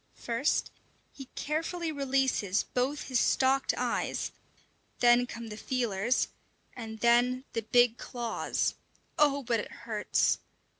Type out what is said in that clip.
First he carefully releases both his stalked eyes, then come the feelers, and then the big claws. Oh, but it hurts!